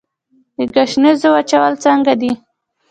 د ګشنیزو وچول څنګه دي؟